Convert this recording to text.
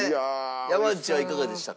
山内はいかがでしたか？